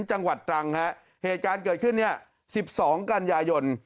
จังหวัดตรังฮะเหตุการณ์เกิดขึ้นเนี่ย๑๒กันยายน